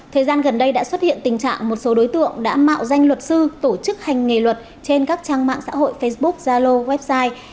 thời gian gần đây đã xuất hiện tình trạng một số đối tượng đã mạo danh luật sư tổ chức hành nghề luật trên các trang mạng xã hội facebook zalo website